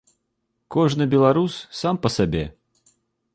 Кожны беларус сам па сабе.